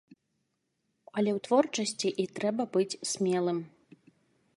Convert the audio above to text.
Але ў творчасці і трэба быць смелым!